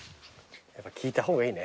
やっぱ聞いた方がいいね。